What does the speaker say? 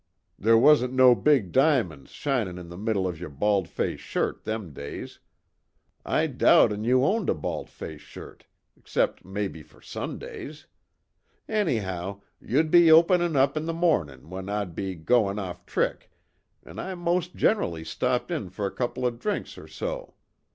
There wasn't no big diamon's shinin' in the middle of yer bald face shirt them days I doubt an' you owned a bald face shirt, except, maybe, for Sundays. Anyhow, you'd be openin' up in the mornin' when I'd be goin off trick, an' I most generally stopped in for a couple of drinks or so.